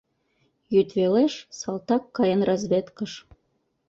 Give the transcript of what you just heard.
Йӱд велеш салтак каен разведкыш...